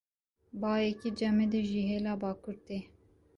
Bayekî cemidî ji hêla bakur tê.